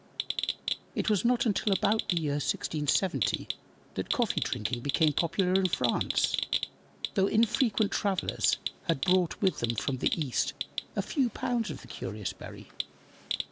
It was not until about the year 1670 that coffee drinking became popular in France, though infrequent travelers had brought with them from the East a few pounds of the curious berry.